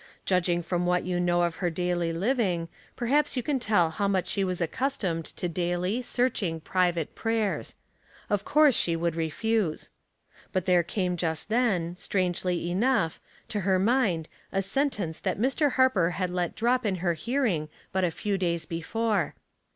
Judging from what you know of her daily living, perhaps you can tell how much she was accustomed to daily, searching private prayers. Of course A Puzzling Discussion. 275 she would refuse. But there came just then, strangely enough, to her mind a sentence that Mr. Harper had let drop in her hearing but a few days before.